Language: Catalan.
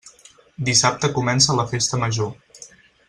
Dissabte comença la Festa Major.